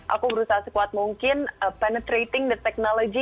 aku berusaha sekuat mungkin penetrating the technology